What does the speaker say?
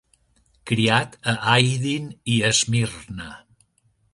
Criat a Aydın i Esmirna.